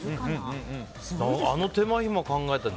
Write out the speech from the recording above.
あの手間ひまを考えたら。